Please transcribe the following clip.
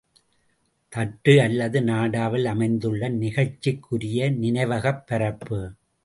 தட்டு அல்லது நாடாவில அமைந்துள்ள நிகழ்ச்சிக்குரிய நினைவகப் பரப்பு.